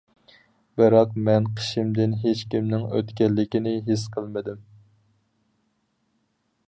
بىراق مەن قېشىمدىن ھېچكىمنىڭ ئۆتكەنلىكىنى ھېس قىلمىدىم.